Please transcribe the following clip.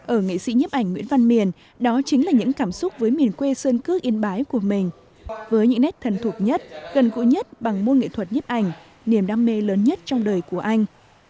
ở nghệ sĩ nhấp ảnh nguyễn văn miền đó chính là những cảm xúc với miền quê sơn cước yên bái của mình với những nét thần thuộc nhất gần gũi nhất bằng môn nghệ thuật nhếp ảnh niềm đam mê lớn nhất trong đời của anh